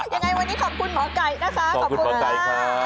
ยังไงวันนี้ขอบคุณหมอไก่นะคะขอบคุณค่ะ